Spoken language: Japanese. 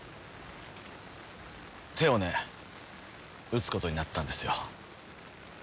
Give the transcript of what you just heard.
手をね打つことになったんですよ。